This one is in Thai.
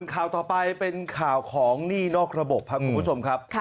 ข่าวต่อไปเป็นข่าวของหนี้นอกระบบครับคุณผู้ชมครับ